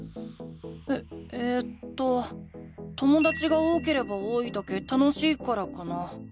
ええとともだちが多ければ多いだけ楽しいからかな。